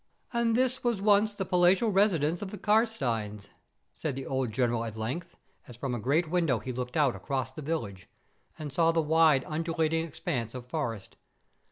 "And this was once the palatial residence of the Karnsteins!" said the old General at length, as from a great window he looked out across the village, and saw the wide, undulating expanse of forest.